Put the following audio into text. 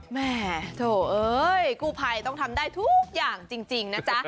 แม่โถเอ้ยกู้ภัยต้องทำได้ทุกอย่างจริงนะจ๊ะ